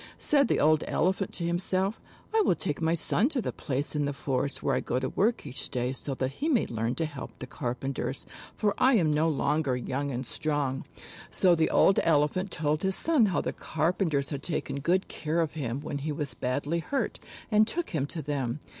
Said the old Elephant to himself, "I will take my son to the place in the forest where I go to work each day so that he may learn to help the carpenters, for I am no longer young and strong." 70 THE KING'S WHITE ELEPHANT So the old Elephant told his son how the carpen ters had taken good care of him when he was badly hurt and took him to them.